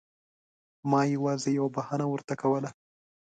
ما یوازې یوه بهانه ورته کوله.